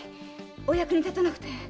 お役に立たなくて。